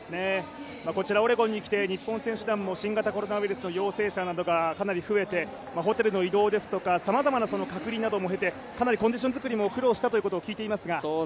こちらオレゴンに来て日本選手団も新型コロナウイルスの陽性者などがかなり増えてホテルの移動ですとかさまざまな隔離などを経てかなりコンディション作りも苦労したと聞いていますが。